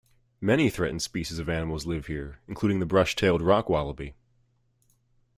Many threatened species of animals live here, including the brush-tailed rock-wallaby.